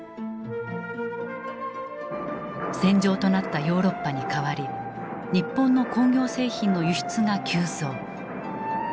戦場となったヨーロッパに代わり日本の工業製品の輸出が急増。